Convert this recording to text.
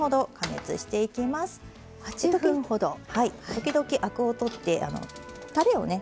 時々アクを取ってたれをね